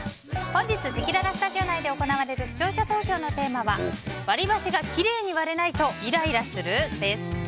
本日せきららスタジオ内で行われる視聴者投票のテーマは割り箸がきれいに割れないとイライラする？です。